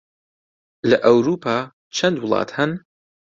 لە ئەورووپا چەند وڵات هەن؟